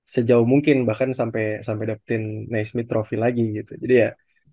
sejauh mungkin bahkan sampai dapetin naisme trofi lagi gitu jadi ya